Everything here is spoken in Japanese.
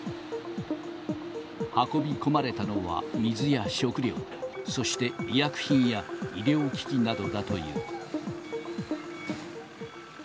運び込まれたのは水や食料、そして医薬品や医療機器などだという。